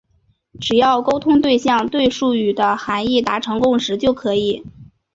只要沟通对象对术语的含义达成共识就可以。